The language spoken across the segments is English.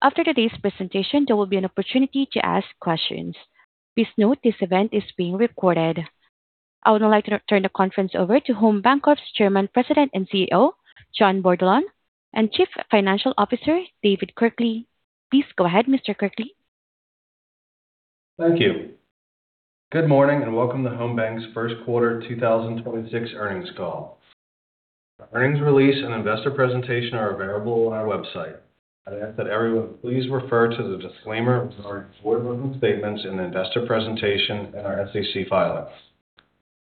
After today's presentation, there will be an opportunity to ask questions. Please note this event is being recorded. I would now like to turn the conference over to Home Bancorp's Chairman, President, and CEO, John Bordelon, and Chief Financial Officer, David Kirkley. Please go ahead, Mr. Kirkley. Thank you. Good morning, and welcome to Home Bank's first quarter 2026 earnings call. Our earnings release and investor presentation are available on our website. I'd ask that everyone please refer to the disclaimer regarding forward-looking statements in the investor presentation and our SEC filings.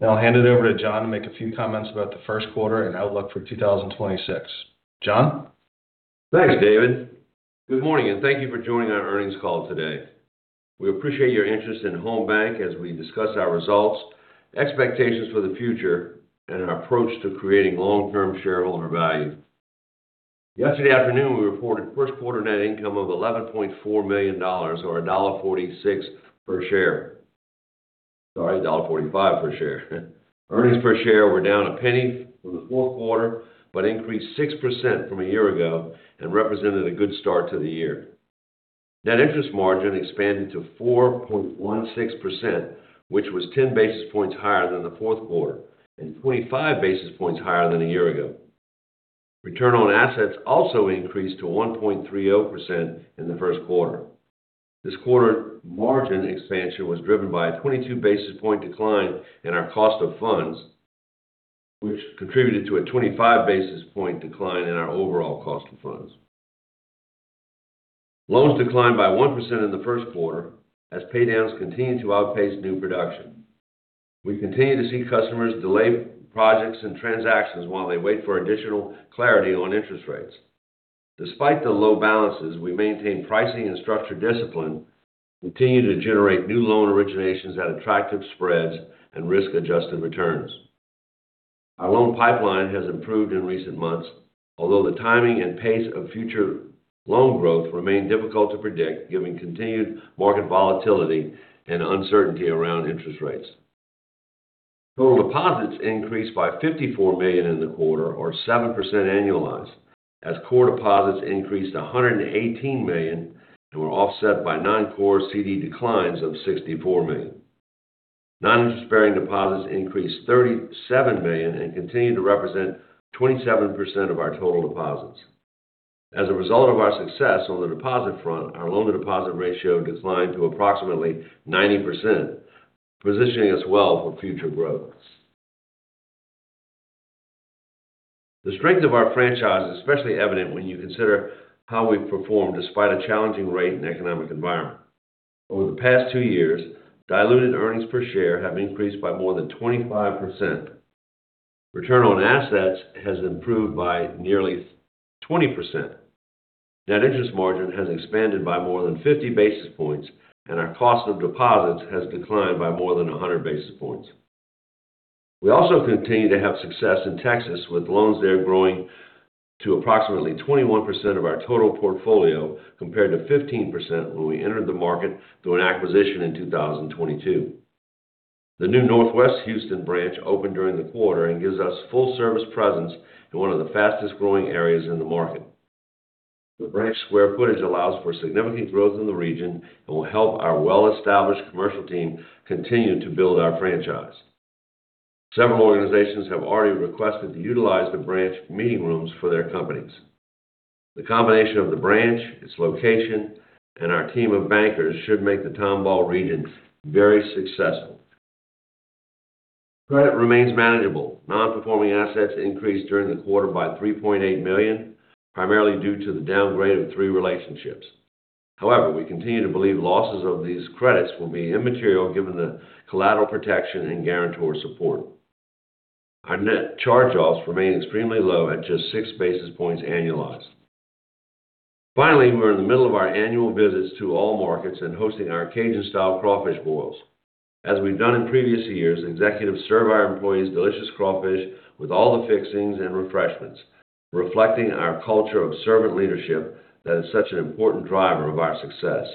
Now I'll hand it over to John to make a few comments about the first quarter and outlook for 2026. John? Thanks, David. Good morning, and thank you for joining our earnings call today. We appreciate your interest in Home Bank as we discuss our results, expectations for the future, and our approach to creating long-term shareholder value. Yesterday afternoon, we reported first quarter net income of $11.4 million, or $1.45 per share. Earnings per share were down a penny from the fourth quarter but increased 6% from a year ago and represented a good start to the year. Net interest margin expanded to 4.16%, which was 10 basis points higher than the fourth quarter and 25 basis points higher than a year ago. Return on assets also increased to 1.30% in the first quarter. This quarter margin expansion was driven by a 22 basis point decline in our cost of funds, which contributed to a 25 basis point decline in our overall cost of funds. Loans declined by 1% in the first quarter as paydowns continued to outpace new production. We continue to see customers delay projects and transactions while they wait for additional clarity on interest rates. Despite the low balances, we maintain pricing and structure discipline, continue to generate new loan originations at attractive spreads and risk-adjusted returns. Our loan pipeline has improved in recent months, although the timing and pace of future loan growth remain difficult to predict, given continued market volatility and uncertainty around interest rates. Total deposits increased by $54 million in the quarter, or 7% annualized, as core deposits increased to $118 million and were offset by non-core CD declines of $64 million. Non-interest-bearing deposits increased $37 million and continued to represent 27% of our total deposits. As a result of our success on the deposit front, our loan-to-deposit ratio declined to approximately 90%, positioning us well for future growth. The strength of our franchise is especially evident when you consider how we've performed despite a challenging rate and economic environment. Over the past two years, diluted earnings per share have increased by more than 25%. Return on assets has improved by nearly 20%. Net interest margin has expanded by more than 50 basis points and our cost of deposits has declined by more than 100 basis points. We also continue to have success in Texas, with loans there growing to approximately 21% of our total portfolio compared to 15% when we entered the market through an acquisition in 2022. The new Northwest Houston branch opened during the quarter and gives us full service presence in one of the fastest-growing areas in the market. The branch square footage allows for significant growth in the region and will help our well-established commercial team continue to build our franchise. Several organizations have already requested to utilize the branch meeting rooms for their companies. The combination of the branch, its location, and our team of bankers should make the Tomball region very successful. Credit remains manageable. Non-performing assets increased during the quarter by $3.8 million, primarily due to the downgrade of three relationships. However, we continue to believe losses of these credits will be immaterial given the collateral protection and guarantor support. Our net charge-offs remain extremely low at just six basis points annualized. Finally, we're in the middle of our annual visits to all markets and hosting our Cajun-style crawfish boils. As we've done in previous years, executives serve our employees delicious crawfish with all the fixings and refreshments, reflecting our culture of servant leadership that is such an important driver of our success.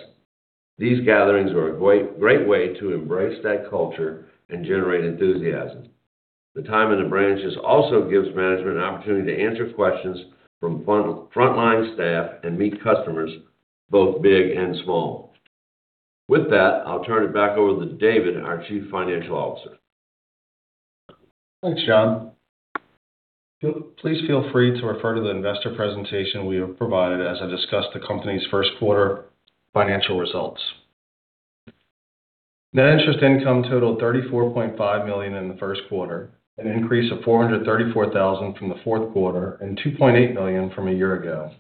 These gatherings are a great way to embrace that culture and generate enthusiasm. The time in the branches also gives management an opportunity to answer questions from frontline staff and meet customers, both big and small. With that, I'll turn it back over to David Kirkley, our Chief Financial Officer. Thanks, John. Please feel free to refer to the investor presentation we have provided as I discuss the company's first quarter financial results. Net interest income totaled $34.5 million in the first quarter, an increase of $434,000 from the fourth quarter and $2.8 million from a year ago.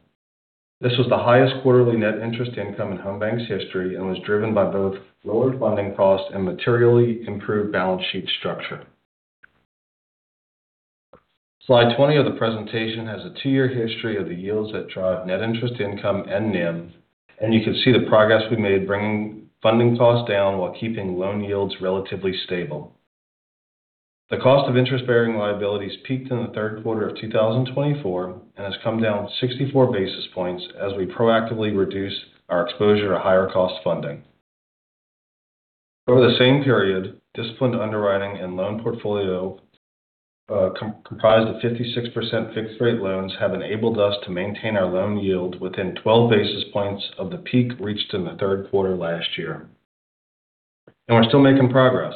This was the highest quarterly net interest income in Home Bank's history and was driven by both lower funding costs and materially improved balance sheet structure. Slide 20 of the presentation has a two-year history of the yields that drive net interest income and NIM, and you can see the progress we made bringing funding costs down while keeping loan yields relatively stable. The cost of interest-bearing liabilities peaked in the third quarter of 2024 and has come down 64 basis points as we proactively reduce our exposure to higher cost funding. Over the same period, disciplined underwriting and loan portfolio comprised of 56% fixed rate loans have enabled us to maintain our loan yield within 12 basis points of the peak reached in the third quarter last year. We're still making progress.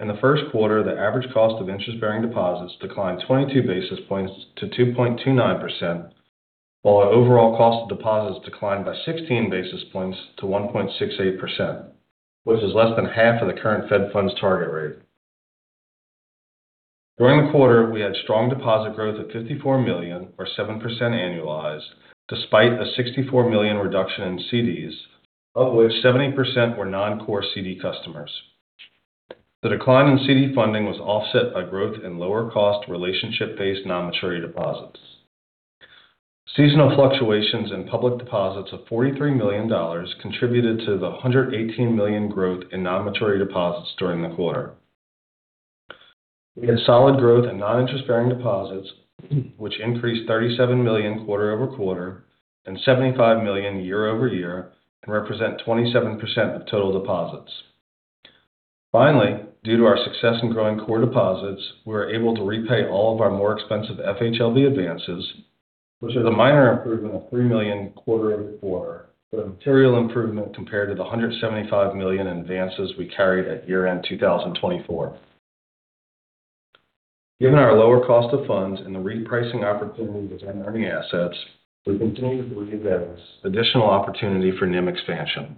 In the first quarter, the average cost of interest-bearing deposits declined 22 basis points to 2.29%, while our overall cost of deposits declined by 16 basis points to 1.68%, which is less than half of the current Fed funds target rate. During the quarter, we had strong deposit growth of $54 million or 7% annualized despite a $64 million reduction in CDs, of which 78% were non-core CD customers. The decline in CD funding was offset by growth in lower cost relationship-based non-maturity deposits. Seasonal fluctuations in public deposits of $43 million contributed to the $118 million growth in non-maturity deposits during the quarter. We had solid growth in non-interest-bearing deposits, which increased $37 million quarter-over-quarter and $75 million year-over-year, and represent 27% of total deposits. Finally, due to our success in growing core deposits, we were able to repay all of our more expensive FHLB advances, which is a minor improvement of $3 million quarter-over-quarter, but a material improvement compared to the $175 million in advances we carried at year-end 2024. Given our lower cost of funds and the repricing opportunity within earning assets, we continue to believe that additional opportunity for NIM expansion.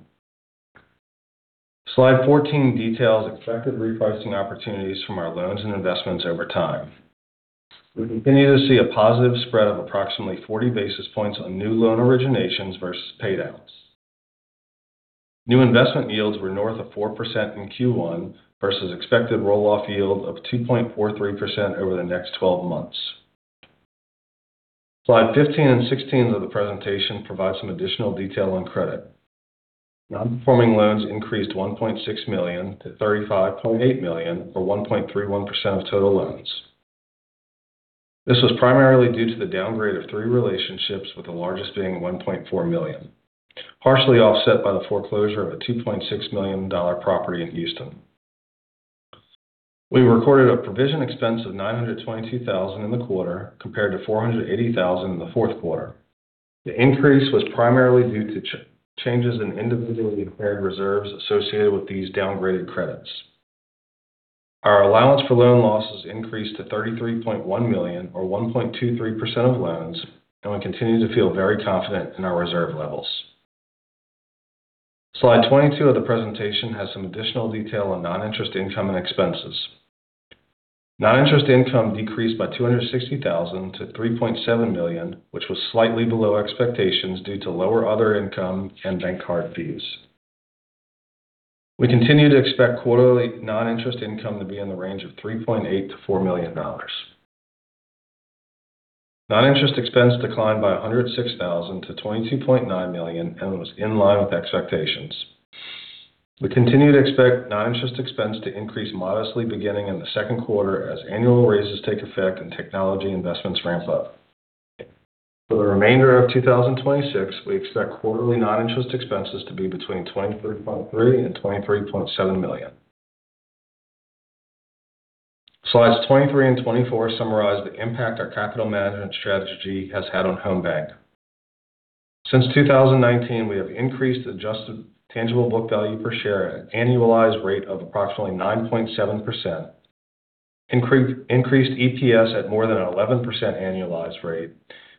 Slide 14 details expected repricing opportunities from our loans and investments over time. We continue to see a positive spread of approximately 40 basis points on new loan originations versus payouts. New investment yields were north of 4% in Q1 versus expected roll-off yield of 2.43% over the next 12 months. Slide 15 and 16 of the presentation provide some additional detail on credit. Non-performing loans increased $1.6 million to $35.8 million, or 1.31% of total loans. This was primarily due to the downgrade of three relationships, with the largest being $1.4 million, partially offset by the foreclosure of a $2.6 million property in Houston. We recorded a provision expense of $922,000 in the quarter, compared to $480,000 in the fourth quarter. The increase was primarily due to changes in individually required reserves associated with these downgraded credits. Our allowance for loan losses increased to $33.1 million or 1.23% of loans, and we continue to feel very confident in our reserve levels. Slide 22 of the presentation has some additional detail on non-interest income and expenses. Non-interest income decreased by $260,000 to $3.7 million, which was slightly below expectations due to lower other income and bank card fees. We continue to expect quarterly non-interest income to be in the range of $3.8 million-$4 million. Non-interest expense declined by $106,000 to $22.9 million and was in line with expectations. We continue to expect non-interest expense to increase modestly beginning in the second quarter as annual raises take effect and technology investments ramp up. For the remainder of 2026, we expect quarterly non-interest expenses to be between $23.3 million and $23.7 million. Slides 23 and 24 summarize the impact our capital management strategy has had on Home Bank. Since 2019, we have increased adjusted tangible book value per share at an annualized rate of approximately 9.7%, increased EPS at more than 11% annualized rate,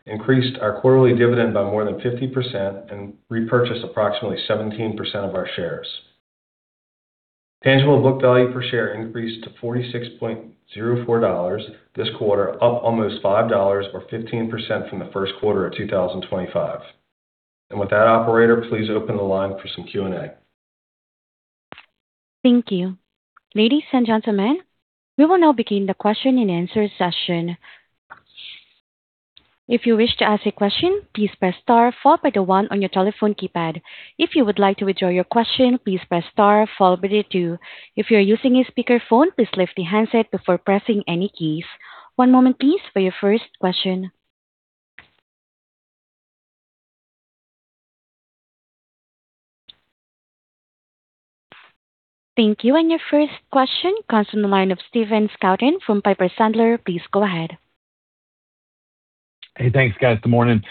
increased our quarterly dividend by more than 50% and repurchased approximately 17% of our shares. Tangible book value per share increased to $46.04 this quarter, up almost $5 or 15% from the first quarter of 2025. With that, operator, please open the line for some Q&A. Thank you. Ladies and gentlemen, we will now begin the question-and-answer session. If you wish to ask a question, please press star followed by the one on your telephone keypad. If you would like to withdraw your question, please press star followed by the two. If you're using a speakerphone, please lift the handset before pressing any keys. One moment please, for your first question. Thank you. Your first question comes from the line of Stephen Scouten from Piper Sandler. Please go ahead. Hey, thanks guys. Good morning.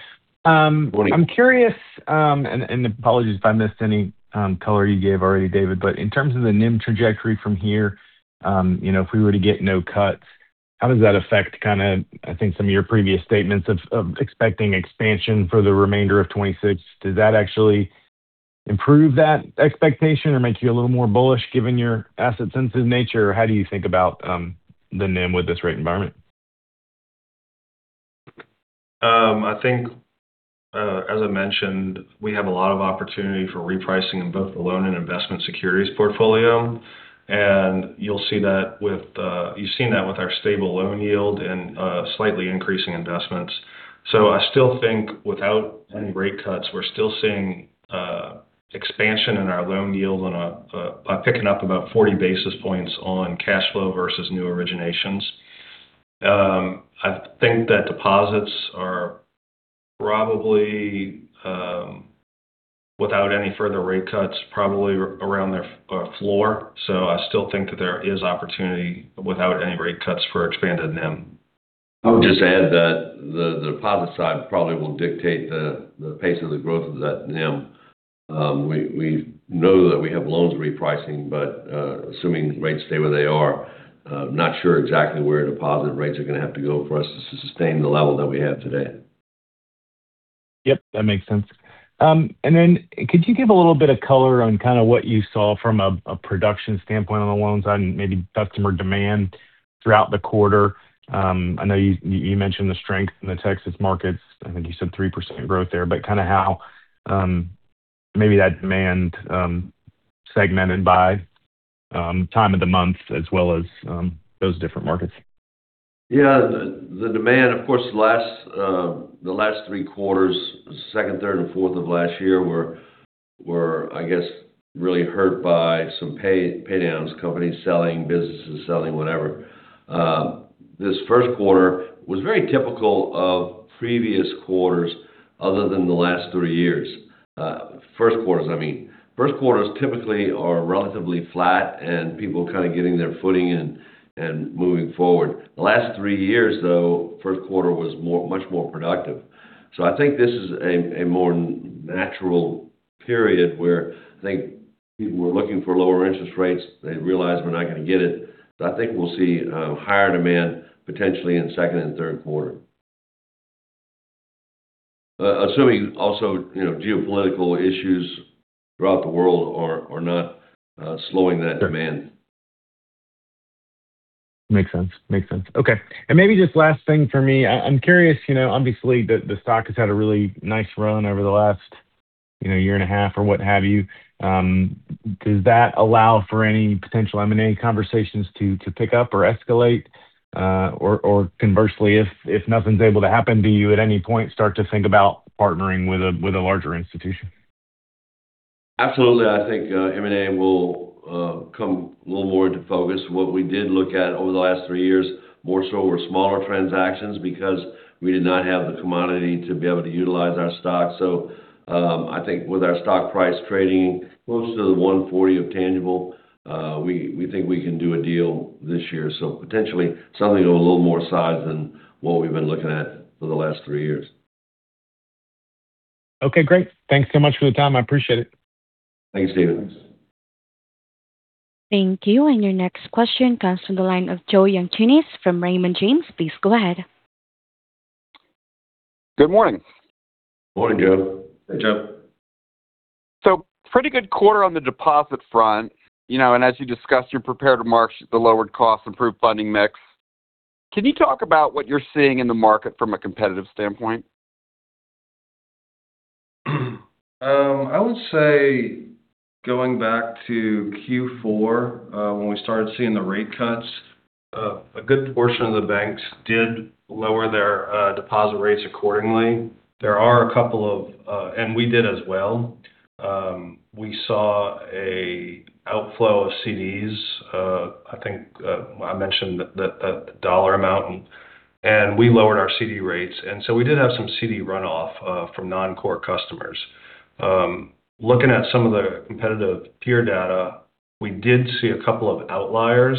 Good morning. I'm curious, and apologies if I missed any color you gave already, David, but in terms of the NIM trajectory from here, if we were to get no cuts, how does that affect kind of, I think, some of your previous statements of expecting expansion for the remainder of 2026? Does that actually improve that expectation or make you a little more bullish given your asset sensitive nature or how do you think about the NIM with this rate environment? I think as I mentioned, we have a lot of opportunity for repricing in both the loan and investment securities portfolio, and you've seen that with our stable loan yield and slightly increasing investments. I still think without any rate cuts, we're still seeing expansion in our loan yield and by picking up about 40 basis points on cash flow versus new originations. I think that deposits are probably without any further rate cuts, probably around their floor. I still think that there is opportunity without any rate cuts for expanded NIM. I would just add that the deposit side probably will dictate the pace of the growth of that NIM. We know that we have loans repricing, but assuming rates stay where they are, not sure exactly where deposit rates are going to have to go for us to sustain the level that we have today. Yep, that makes sense. Could you give a little bit of color on what you saw from a production standpoint on the loans on maybe customer demand throughout the quarter? I know you mentioned the strength in the Texas markets. I think you said 3% growth there, but kind of how maybe that demand segmented by time of the month as well as those different markets. Yeah. The demand, of course, the last three quarters, second, third, and fourth of last year were, I guess, really hurt by some pay downs, companies selling, businesses selling, whatever. This first quarter was very typical of previous quarters other than the last three years. First quarters, I mean. First quarters typically are relatively flat and people kind of getting their footing and moving forward. The last three years, though, first quarter was much more productive. I think this is a more natural period where I think people were looking for lower interest rates. They realized we're not going to get it. I think we'll see higher demand potentially in second and third quarter. Assuming also geopolitical issues throughout the world are not slowing that demand. Makes sense. Okay. Maybe just last thing for me. I'm curious, obviously the stock has had a really nice run over the last year and a half or what have you. Does that allow for any potential M&A conversations to pick up or escalate? Conversely, if nothing's able to happen, do you at any point start to think about partnering with a larger institution? Absolutely. I think M&A will come a little more into focus. What we did look at over the last three years, more so were smaller transactions because we did not have the commodity to be able to utilize our stock. I think with our stock price trading close to the 1.40x tangible, we think we can do a deal this year. Potentially something of a little more size than what we've been looking at for the last three years. Okay, great. Thanks so much for the time. I appreciate it. Thanks, Stephen. Thank you. Your next question comes from the line of Joseph Yanchunis from Raymond James. Please go ahead. Good morning. Morning, Joe. Hey, Joe. Pretty good quarter on the deposit front, and as you discussed in your prepared remarks, the lowered cost, improved funding mix. Can you talk about what you're seeing in the market from a competitive standpoint? I would say going back to Q4, when we started seeing the rate cuts, a good portion of the banks did lower their deposit rates accordingly. We did as well. We saw an outflow of CDs. I think I mentioned the dollar amount, and we lowered our CD rates. We did have some CD runoff from non-core customers. Looking at some of the competitive peer data, we did see a couple of outliers,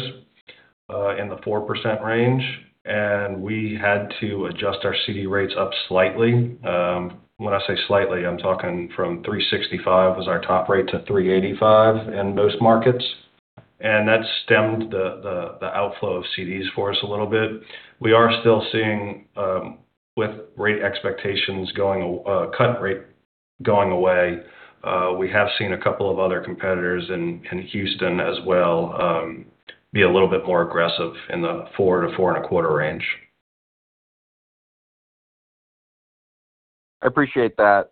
in the 4% range, and we had to adjust our CD rates up slightly. When I say slightly, I'm talking from 3.65% was our top rate to 3.85% in most markets. That stemmed the outflow of CDs for us a little bit. We are still seeing rate cut expectations going away. We have seen a couple of other competitors in Houston as well, be a little bit more aggressive in the 4%-4.25% range. I appreciate that.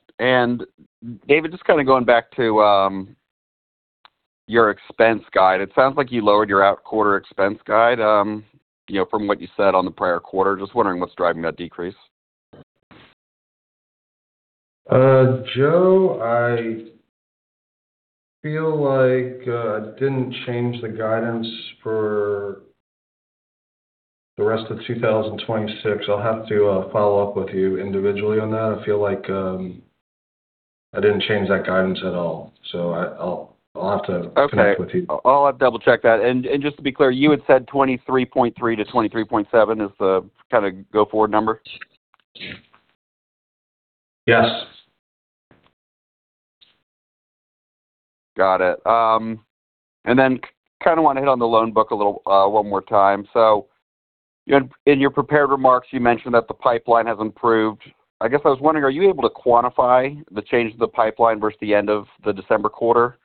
David, just going back to your expense guide. It sounds like you lowered your out quarter expense guide from what you said on the prior quarter. Just wondering what's driving that decrease. Joe, I feel like I didn't change the guidance for the rest of 2026. I'll have to follow up with you individually on that. I feel like I didn't change that guidance at all. I'll have to connect with you. Okay. I'll have to double-check that. Just to be clear, you had said $23.3 million-$23.7 million is the go forward number? Yes. Got it. Kind of want to hit on the loan book a little one more time. In your prepared remarks, you mentioned that the pipeline has improved. I guess I was wondering, are you able to quantify the change in the pipeline versus the end of the December quarter?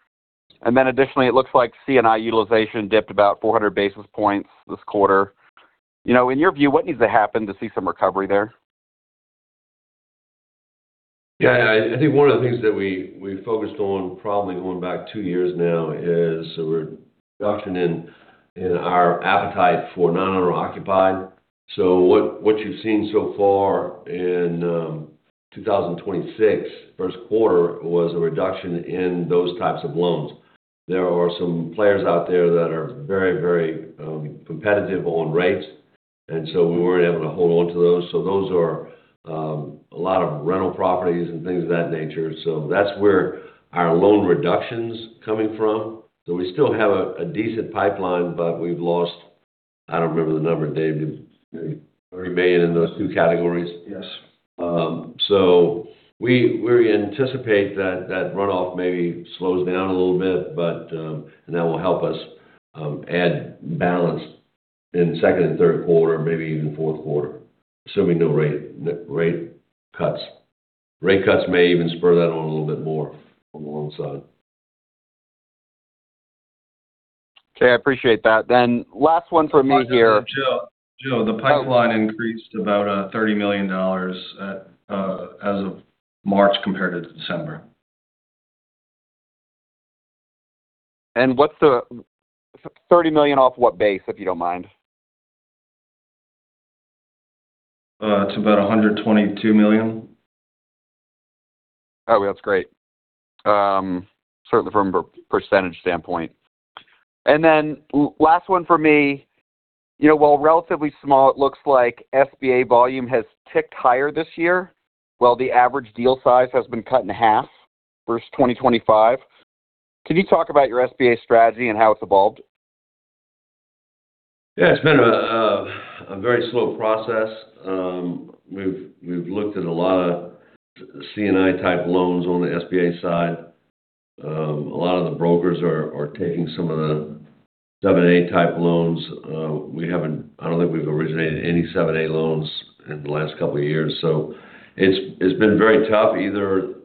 Additionally, it looks like C&I utilization dipped about 400 basis points this quarter. In your view, what needs to happen to see some recovery there? Yeah. I think one of the things that we focused on probably going back two years now is a reduction in our appetite for non-owner occupied. What you've seen so far in 2026, first quarter was a reduction in those types of loans. There are some players out there that are very competitive on rates, and so we weren't able to hold onto those. Those are a lot of rental properties and things of that nature. That's where our loan reduction's coming from. We still have a decent pipeline, but we've lost, I don't remember the number, David, $30 million in those two categories? Yes. We anticipate that runoff maybe slows down a little bit, and that will help us add balance in second and third quarter, maybe even fourth quarter, assuming no rate cuts. Rate cuts may even spur that on a little bit more on the loan side. Okay, I appreciate that. Last one from me here. Joe, the pipeline increased about $30 million as of March compared to December. $30 million off what base, if you don't mind? To about $122 million. That's great, certainly from a percentage standpoint. Last one from me. While relatively small, it looks like SBA volume has ticked higher this year, while the average deal size has been cut in half versus 2025. Can you talk about your SBA strategy and how it's evolved? Yeah, it's been a very slow process. We've looked at a lot of C&I type loans on the SBA side. A lot of the brokers are taking some of the 7(a) type loans. I don't think we've originated any 7(a) loans in the last couple of years. It's been very tough. Either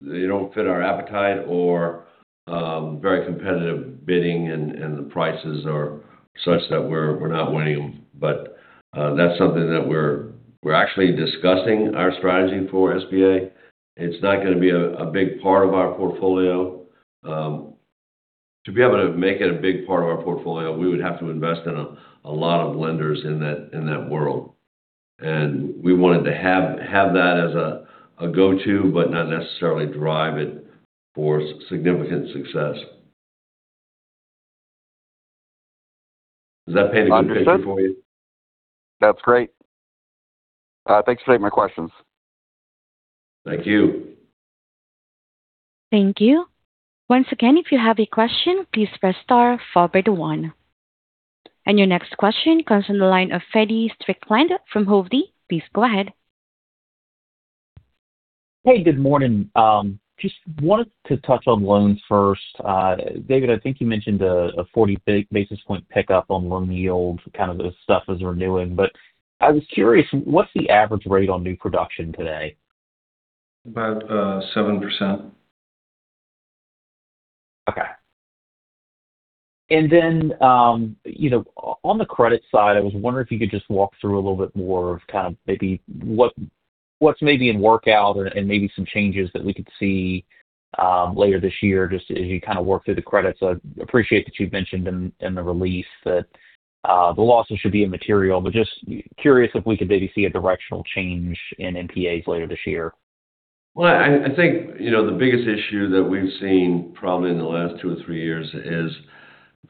they don't fit our appetite or very competitive bidding and the prices are such that we're not winning them. That's something that we're actually discussing, our strategy for SBA. It's not going to be a big part of our portfolio. To be able to make it a big part of our portfolio, we would have to invest in a lot of lenders in that world, and we wanted to have that as a go-to, but not necessarily drive it for significant success. Does that paint a good picture for you? Understood. That's great. Thanks for taking my questions. Thank you. Thank you. Once again, if you have a question, please press star followed by one. Your next question comes from the line of Feddie Strickland from Hovde. Please go ahead. Hey, good morning. Just wanted to touch on loans first. David, I think you mentioned a 40 basis points pickup on loan yield, kind of the stuff as we're doing, but I was curious, what's the average rate on new production today? About 7%. Okay. On the credit side, I was wondering if you could just walk through a little bit more of kind of maybe what's maybe in workout and maybe some changes that we could see later this year just as you kind of work through the credits. I appreciate that you've mentioned in the release that the losses should be immaterial, but just curious if we could maybe see a directional change in NPAs later this year. Well, I think, the biggest issue that we've seen probably in the last two or three years is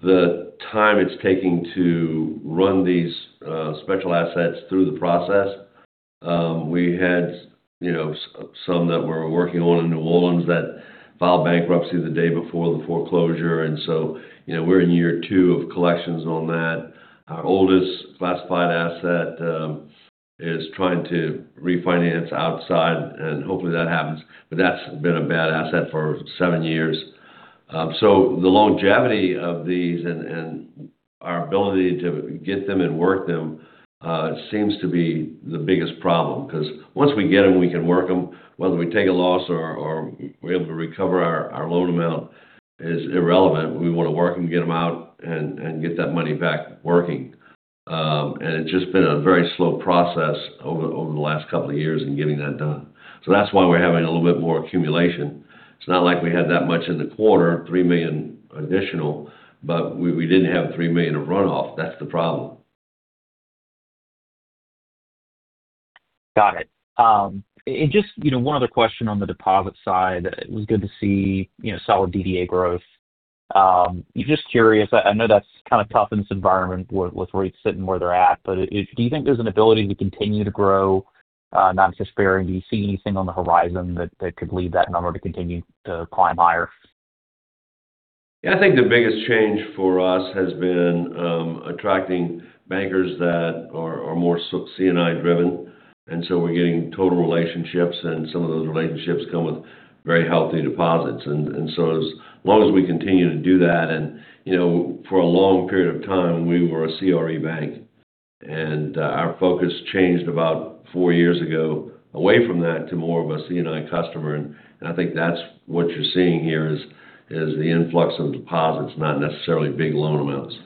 the time it's taking to run these special assets through the process. We had some that we're working on in New Orleans that filed bankruptcy the day before the foreclosure, and so we're in year two of collections on that. Our oldest classified asset is trying to refinance outside, and hopefully that happens. That's been a bad asset for seven years. The longevity of these and our ability to get them and work them seems to be the biggest problem, because once we get them, we can work them, whether we take a loss or we're able to recover our loan amount is irrelevant. We want to work and get them out and get that money back working. It's just been a very slow process over the last couple of years in getting that done. That's why we're having a little bit more accumulation. It's not like we had that much in the quarter, $3 million additional, but we didn't have $3 million of runoff. That's the problem. Got it. Just one other question on the deposit side. It was good to see solid DDA growth. Just curious, I know that's kind of tough in this environment with rates sitting where they're at, but do you think there's an ability to continue to grow non-interest bearing? Do you see anything on the horizon that could lead that number to continue to climb higher? Yeah, I think the biggest change for us has been attracting bankers that are more C&I driven, and so we're getting total relationships, and some of those relationships come with very healthy deposits. As long as we continue to do that, and for a long period of time, we were a CRE bank, and our focus changed about four years ago away from that to more of a C&I customer, and I think that's what you're seeing here is the influx of deposits, not necessarily big loan amounts.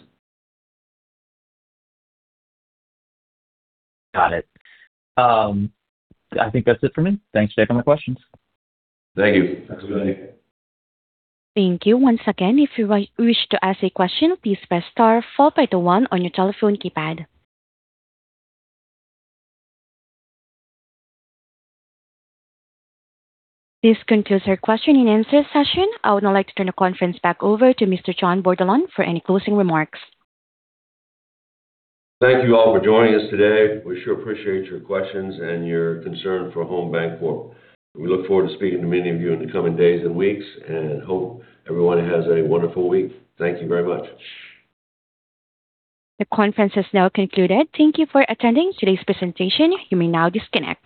Got it. I think that's it for me. Thanks, Dave, for my questions. Thank you. Have a good day. Thank you. Once again, if you wish to ask a question, please press star followed by one on your telephone keypad. This concludes our question-and-answer session. I would now like to turn the conference back over to Mr. John Bordelon for any closing remarks. Thank you all for joining us today. We sure appreciate your questions and your concern for Home Bancorp. We look forward to speaking to many of you in the coming days and weeks, and hope everyone has a wonderful week. Thank you very much. The conference has now concluded. Thank you for attending today's presentation. You may now disconnect.